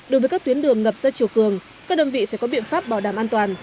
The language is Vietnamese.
đối với các tuyến đường ngập do chiều cường các đơn vị phải có biện pháp bảo đảm an toàn